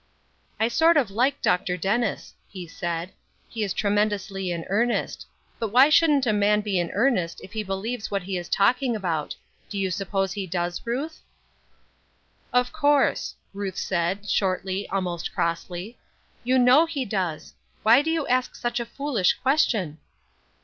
"I sort of like Dr. Dennis," he said. "He is tremendously in earnest; but why shouldn't a man be in earnest if he believes what he is talking about. Do you suppose he does, Ruth?" "Of course," Ruth said, shortly, almost crossly; "you know he does. Why do you ask such a foolish question?"